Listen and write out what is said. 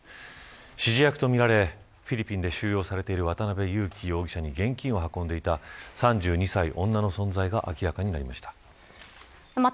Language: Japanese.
指示役とみられフィリピンで収容されている渡辺優樹容疑者に現金を運んでいた３２歳、女の存在が明らかになりました。